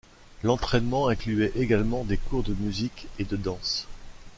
L'entraînement incluait également des cours de musique et de danse.